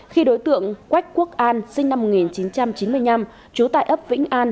khi đối tượng quách quốc an sinh năm một nghìn chín trăm chín mươi năm trú tại ấp vĩnh an